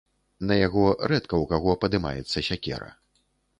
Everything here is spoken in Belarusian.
На яго рэдка ў каго падымаецца сякера.